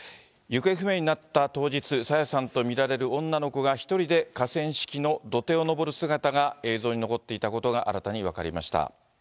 行方不明になった当日、朝芽さんと見られる女の子が、１人で河川敷の土手を上る姿が、映像に残っていたことが新たに分かりました。